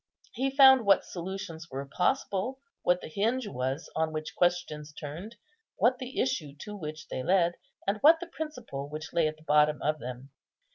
He found what solutions were possible, what the hinge was on which questions turned, what the issue to which they led, and what the principle which lay at the bottom of them.